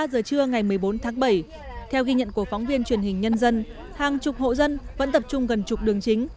một mươi giờ trưa ngày một mươi bốn tháng bảy theo ghi nhận của phóng viên truyền hình nhân dân hàng chục hộ dân vẫn tập trung gần chục đường chính